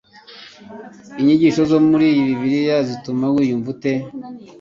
inyigisho zo muri bibiliya zituma wiyumva ute